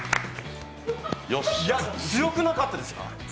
強くなかったですか？